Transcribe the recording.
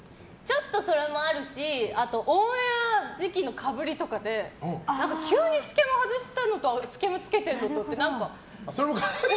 ちょっとそれもあるしあと、オンエア時期のかぶりとかで急につけま外しているのとつけまつけてるのも。